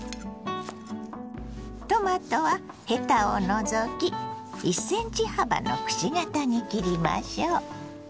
トマトはヘタを除き１ｃｍ幅のくし形に切りましょう。